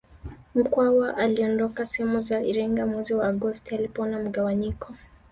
Mkwawa aliondoka sehemu za Iringa mwezi wa Agosti alipoona mgawanyiko